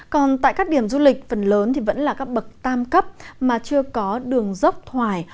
còn tại các điểm du lịch phần lớn thì vẫn là các bậc tam cấp mà chưa có đường dốc thoải